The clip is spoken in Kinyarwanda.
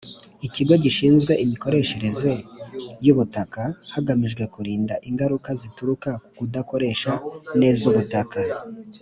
Ikigo gishinzwe imikoreshereze y’ubutaka hagamijwe kwirinda ingaruka zituruka ku kudakoresha neza ubutaka